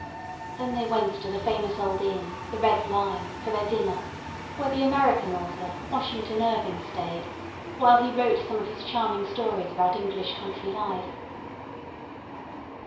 Then they went to the famous old inn, the Red Lion, for their dinner, where the American author, Washington Irving, stayed, while he wrote some of his charming stories about English country life.